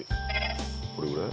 これぐらい？